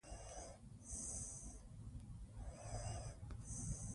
زموږ د بریا راز په زموږ په ایمان کې دی.